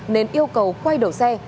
nên yêu cầu quay đầu xe